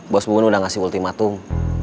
bos gue udah ngasih ultimatum